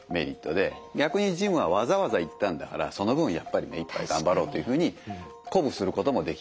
逆にジムはわざわざ行ったんだからその分やっぱりめいっぱい頑張ろうっていうふうに鼓舞することもできたりと。